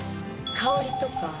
香りとか。